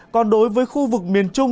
còn đối với khu vực miền trung